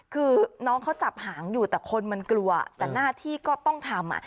คือน้องเขาจับหางอยู่แต่คนมันกลัวแต่หน้าที่ก็ต้องทำ